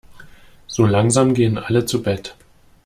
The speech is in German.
So langsam gehen alle zu Bett.